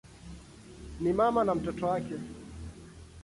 Ni mama na watoto wake.